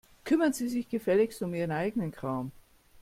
Kümmern Sie sich gefälligst um Ihren eigenen Kram.